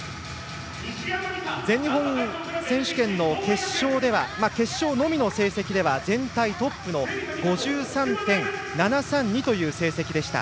全日本選手権の決勝のみの成績では全体トップの５３．７３２という成績でした。